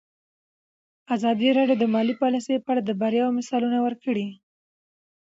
ازادي راډیو د مالي پالیسي په اړه د بریاوو مثالونه ورکړي.